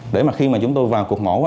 để mà khi mà chúng tôi vào cuộc mổ